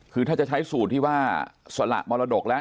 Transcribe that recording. คือถ้าจะใช้สูตรที่ว่าสละมรดกแล้ว